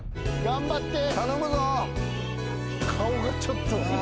頑張って！